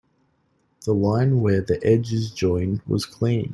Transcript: The line where the edges join was clean.